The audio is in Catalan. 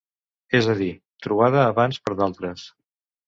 És a dir, trobada abans per d'altres.